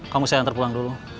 kamu saya hantar pulang dulu